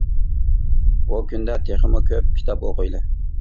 بۇ كۈندە تېخىمۇ كۆپ كىتاب ئوقۇيلى!